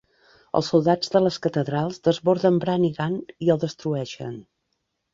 Els soldats de les catedrals desborden Brannigan i el destrueixen.